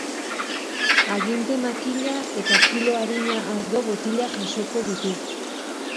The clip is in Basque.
Aginte makila eta kilo adina ardo botila jasoko ditu.